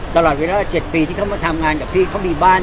ตลอดไว้ก็จะเป็นเมื่อเจ็บปีที่เขามาทำงานกับพี่เหมือนเขามีบ้าน